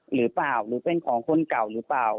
หรือเปล่าหรือเป็นของคนเก่าหรือเปล่า